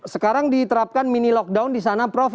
sekarang diterapkan mini lockdown di sana prof